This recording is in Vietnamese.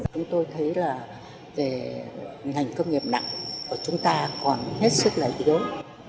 chúng tôi thấy là ngành công nghiệp nặng của chúng ta còn hết sức lấy tiêu